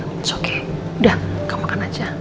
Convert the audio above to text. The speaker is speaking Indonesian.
it's okay udah kamu makan aja